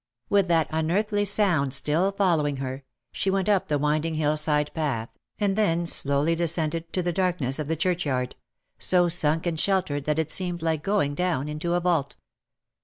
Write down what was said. With that unearthly sound still following her, she went up the winding hill side path, and then slowly descended to the darkness of the churchyard — so sunk and sheltered that it seemed like going down into a vault.